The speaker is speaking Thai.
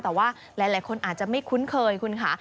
แต่ว่าหลายคนอาจจะไม่คุ้นเคยคุณค่ะ